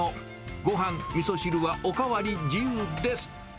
ごはん、みそ汁はお代わり自由です。